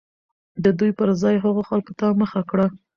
د دوى پر ځاى هغو خلكو ته مخه كړه